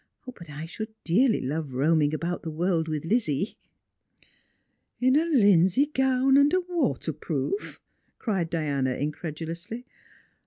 But x should dearly love roam ing about the world with Lizzie." " In a hnsey gown and a waterproof? " cried Diana incredu lously.